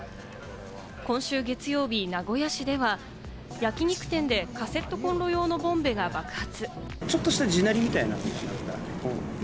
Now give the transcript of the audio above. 今週月曜日、名古屋市では焼き肉店でカセットコンロ用のボンベが爆発。